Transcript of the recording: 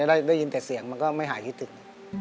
ได้ยินแต่เสียงมันก็ไม่หายที่ตึก